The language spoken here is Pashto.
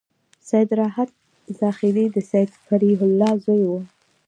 سید راحت زاخيلي د سید فریح الله زوی و.